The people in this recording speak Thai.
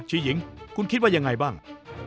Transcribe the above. ชื่อหญิงคุณคิดว่ายังไงบ้าง